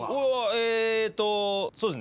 えっとそうですね